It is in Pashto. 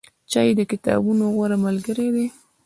چای د کتابونو غوره ملګری دی.